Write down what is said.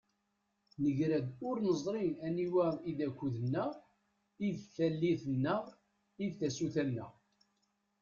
Negra-d ur neẓri aniwa i d akud-nneɣ, i d tallit-nneɣ, i d tasuta-nneɣ.